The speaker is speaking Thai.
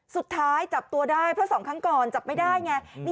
สุดท้ายจับตัวได้เพราะ๒ครั้งก่อนจับไม่ได้ไง